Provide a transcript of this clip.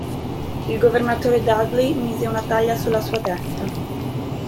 Il governatore Dudley mise una taglia sulla sua testa.